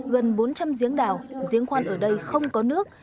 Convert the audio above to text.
gần bốn trăm linh giếng đào giếng khoan ở đây không có nước